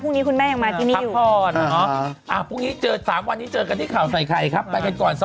พรุ่งนี้คุณแม่ยังมากินอยู่พักพรนะครับพรุ่งนี้เจอ